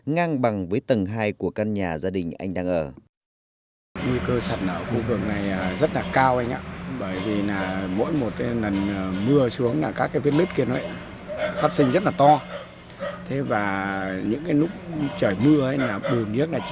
ngang bằng với tầng hai của căn nhà gia đình anh đang ở